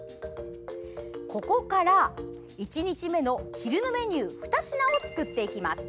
ここから１日目の昼のメニュー２品を作っていきます。